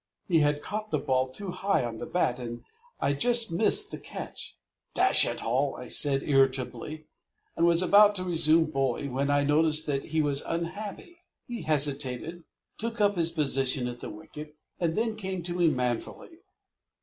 He had caught the ball too high on the bat, and I just missed the catch. "Dash it all!" said I irritably, and was about to resume bowling, when I noticed that he was unhappy. He hesitated, took up his position at the wicket, and then came to me manfully.